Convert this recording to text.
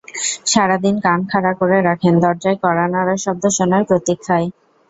সারা দিন কান খাড়া করে রাখেন দরজায় কড়া নাড়ার শব্দ শোনার প্রতীক্ষায়।